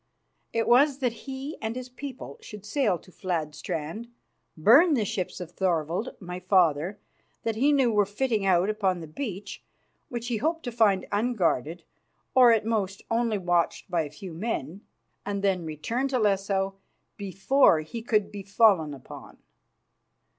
It was that he and his people should sail to Fladstrand, burn the ships of Thorvald, my father, that he knew were fitting out upon the beach, which he hoped to find unguarded, or at most only watched by a few men, and then return to Lesso before he could be fallen upon.